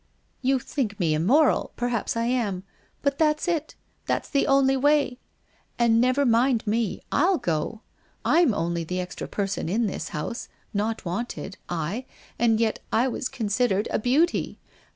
e You think me immoral ; perhaps I am. But that's it — that's the only way. And never mind me — I'll go. I'm only the extra person in this house, not wanted, I, and yet I was considered a beauty!